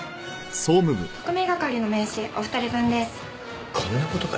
特命係の名刺お二人分です。